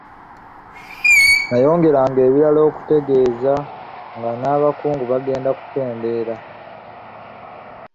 N'ayongeranga ebirala okutegeeze nga n'abakungu bagenda kukendeera.